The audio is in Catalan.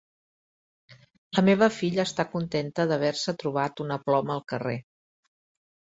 La meva filla està contenta d'haver-se trobat una ploma al carrer.